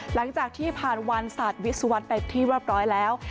หลังจากที่ผ่านวันศาสตร์วิศวรรษไปที่เรียบร้อยแล้ว